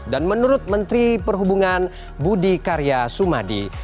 dan menurut menteri perhubungan budi karya sumadi